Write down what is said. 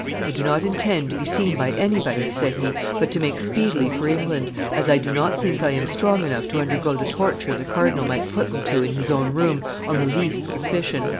"I do not intend to be seen by anybody," said he, "but to make speedily for England, as I do not think I am strong enough to undergo the torture the cardinal might put me to in his own room on the least suspicion."